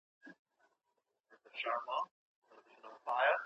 ولې ځايي واردوونکي خوراکي توکي له ازبکستان څخه واردوي؟